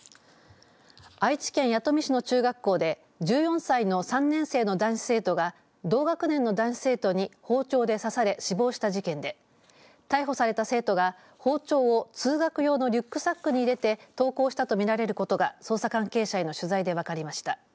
愛知県弥富市の中学校で１４歳の３年生の男子生徒が同学年の男子生徒に包丁で刺され死亡した事件で逮捕された生徒が包丁を通学用のリュックサックに入れて登校したとみられることが捜査関係者への取材で分かりました。